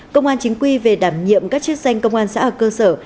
công an chính quy về đảm nhiệm các chiếc xanh công an xã ở cơ sở